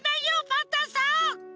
パンタンさん！